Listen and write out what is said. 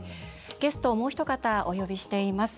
ゲストを、もうひと方お呼びしています。